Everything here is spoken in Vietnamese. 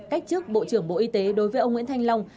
cách chức bộ trưởng bộ y tế đối với ông nguyễn thanh long